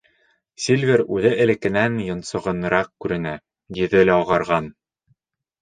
Сильвер үҙе элеккенән йонсоғаныраҡ күренә, йөҙө лә ағарған.